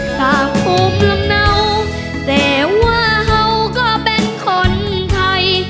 จากภูมิลำเนาแต่ว่าเขาก็เป็นคนไทย